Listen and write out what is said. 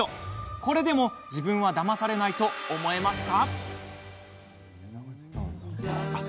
これでも自分はだまされないと思えますか？